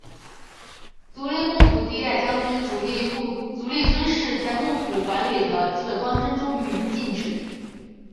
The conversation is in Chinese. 足利幕府第一代将军足利尊氏在幕府管理的基本方针中予以禁止。